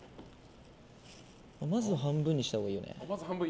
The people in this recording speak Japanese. まず半分にしたほうがいいよね。